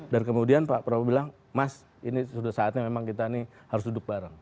dan kemudian pak prabowo bilang mas ini sudah saatnya memang kita ini harus duduk bareng